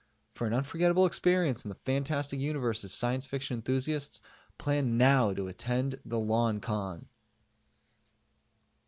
For an unforgettable experience in the fantastic universe of science fiction enthusiasts, plan now to attend the LONCON!